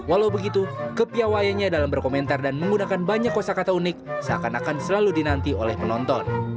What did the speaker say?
walau begitu kepiawayannya dalam berkomentar dan menggunakan banyak kosa kata unik seakan akan selalu dinanti oleh penonton